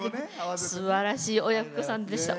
すばらしい親子さんでした。